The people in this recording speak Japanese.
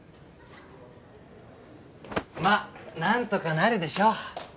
まあなんとかなるでしょ！